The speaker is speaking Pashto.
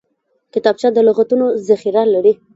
کتابچه د لغتونو ذخیره لري